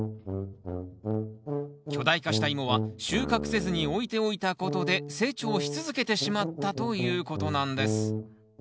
巨大化したイモは収穫せずに置いておいたことで成長し続けてしまったということなんです